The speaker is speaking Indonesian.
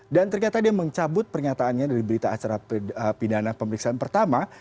dan ternyata dia mencabut pernyataannya dari berita acara pindahan pemeriksaan pertama